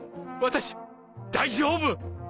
私大丈夫！